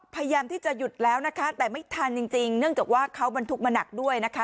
พยายามที่จะหยุดแล้วนะคะแต่ไม่ทันจริงเนื่องจากว่าเขาบรรทุกมาหนักด้วยนะคะ